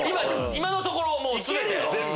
今のところ全て。